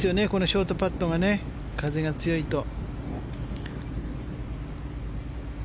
ショートパットが風が強いと。